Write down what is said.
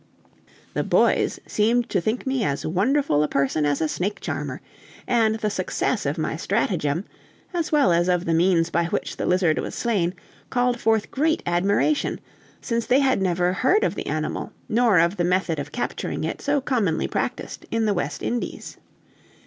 The boys seemed to think me as wonderful a person as a snake charmer, and the success of my stratagem, as well as of the means by which the lizard was slain, called forth great admiration, since they had never heard of the animal, nor of the method of capturing it so commonly practised in the West Indies.